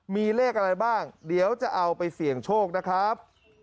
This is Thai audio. มีเลขอะไรบ้างเดี๋ยวจะเอาไปเสี่ยงโชคนะครับ